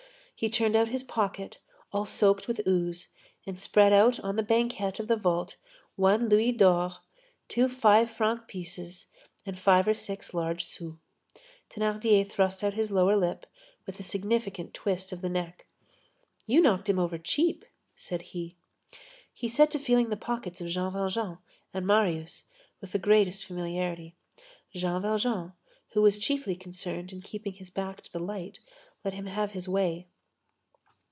He turned out his pocket, all soaked with ooze, and spread out on the banquette of the vault one louis d'or, two five franc pieces, and five or six large sous. Thénardier thrust out his lower lip with a significant twist of the neck. "You knocked him over cheap," said he. He set to feeling the pockets of Jean Valjean and Marius, with the greatest familiarity. Jean Valjean, who was chiefly concerned in keeping his back to the light, let him have his way.